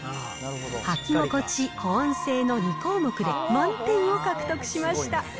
履き心地、保温性の２項目で、満点を獲得しました。